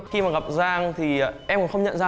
khi mà gặp giang thì em cũng không nhận ra